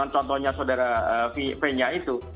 contohnya saudara vv nya itu